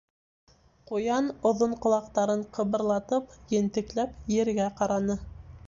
Ҡуян, оҙон ҡолаҡтарын ҡыбырлатып, ентекләп ергә ҡараны.